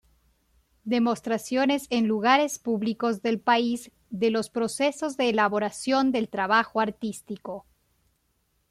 Demostraciones en lugares públicos del país de los procesos de elaboración del trabajo artístico.